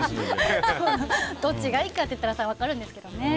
どっちがいいかっていったらそりゃ分かるんですけどね。